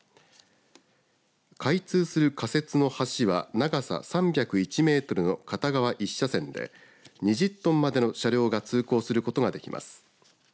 開通する仮設の橋は長さ３０１メートルの片側１車線で２０トンまでの車両が通行することができます。